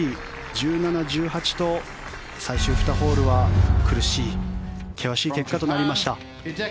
１７、１８と最終２ホールは苦しい、険しい結果となりました。